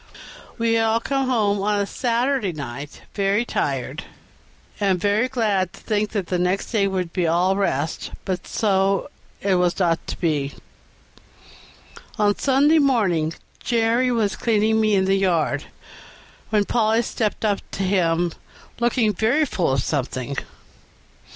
We had all come home on the Saturday night very tired, and very glad to think that the next day would be all rest, but so it was not to be. On Sunday morning Jerry was cleaning me in the yard, when Polly stepped up to him, looking very full of something.